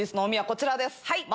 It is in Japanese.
こちらです。